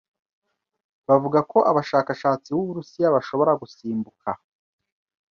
bavuga ko abashakashatsi b'Uburusiya bashobora gusimbuka